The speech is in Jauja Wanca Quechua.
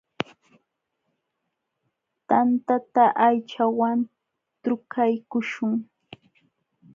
Tantata aychawan trukaykuśhun.